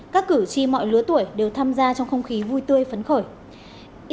các cử tri mọi lứa tuổi đều tham gia trong không khí vui tươi phấn khởi